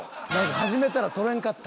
始めたら取れんかった。